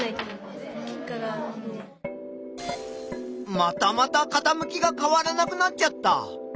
またまたかたむきが変わらなくなっちゃった。